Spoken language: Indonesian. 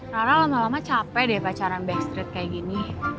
rara lama lama capek deh pacaran backstreet kayak gini